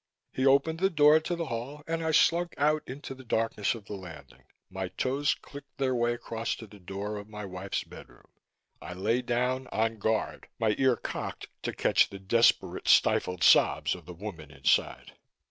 He opened the door to the hall and I slunk out into the darkness of the landing. My toes clicked their way across to the door of my wife's bedroom. I lay down, on guard, my ear cocked to catch the desperate stifled sobs of the woman inside.